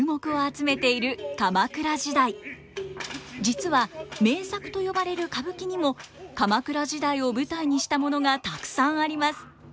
実は名作と呼ばれる歌舞伎にも鎌倉時代を舞台にしたものがたくさんあります。